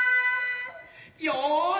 よし！